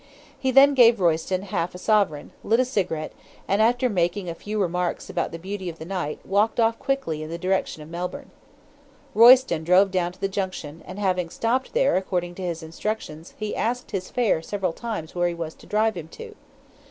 He then gave Royston half a sovereign, lit a cigarette, and after making a few remarks about the beauty of the night, walked off quickly in the direction of Melbourne. Royston drove down to the Junction, and having stopped there, according to his instructions he asked his 'fare' several times where he was to drive him to.